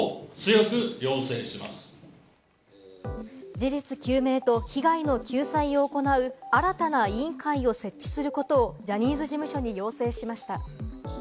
事実究明と被害の救済を行う新たな委員会を設置することをジャニーズ事務所に要請しました。